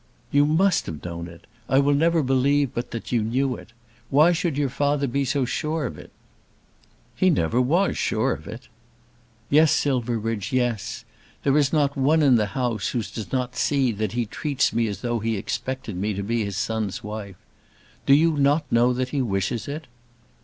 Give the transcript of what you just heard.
"You must have known it. I will never believe but that you knew it. Why should your father be so sure of it?" "He never was sure of it." "Yes, Silverbridge; yes. There is not one in the house who does not see that he treats me as though he expected me to be his son's wife. Do you not know that he wishes it?"